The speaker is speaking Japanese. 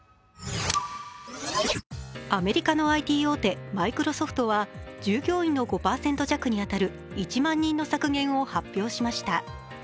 アメリカのＩＴ大手・マイクロソフトは、従業員の５％弱に当たる１万人の削減を発表しました。